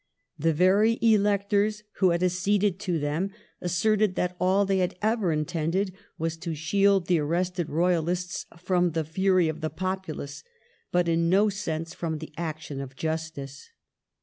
The very electors who had acceded to them asserted that all they had ever intended was to shield the arrested royalists from the fury of the populace, but in no sense from the action of justice.